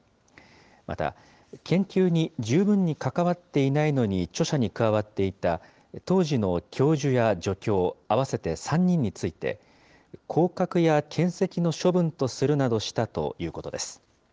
また、研究に十分に関わっていないのに著者に加わっていた当時の教授や助教、合わせて３人について、降格やけん責の処分とするなどしたということです。